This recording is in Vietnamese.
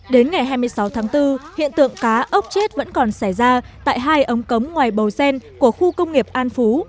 đến ngày hai mươi sáu tháng bốn hiện tượng cá ốc chết vẫn còn xảy ra tại hai ống cống ngoài bầu sen của khu công nghiệp an phú